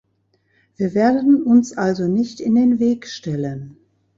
Wir werden uns also nicht in den Weg stellen.